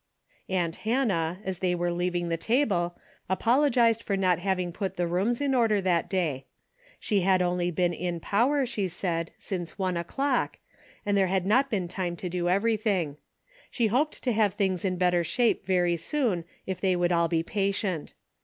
Aunt Hannah, as they were leaving the table, apologized for not having put the rooms in order that day. She had only been in power, she said, since one o'clock, and there had not been time to do everything. She hoped to have things in better shape very soon if they would all be patient.